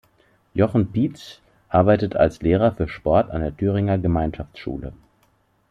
Jochen Pietzsch arbeitet als Lehrer für Sport an einer Thüringer Gemeinschaftsschule.